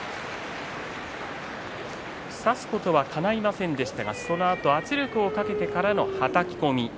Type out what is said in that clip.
差すことはかないませんでしたけどそのあと圧力をかけてからのはたき込み。